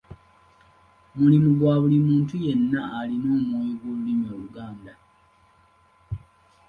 Mulimu gwa buli muntu yenna alina omwoyo gw'olulimi Oluganda.